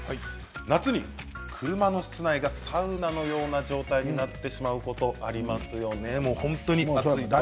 夏に車の室内がサウナのような状態になってしまうことありますよね。